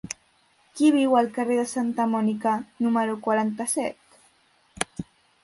Qui viu al carrer de Santa Mònica número quaranta-set?